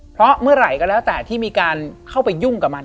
เพราะเมื่อไหร่ก็แล้วแต่ที่มีการเข้าไปยุ่งกับมัน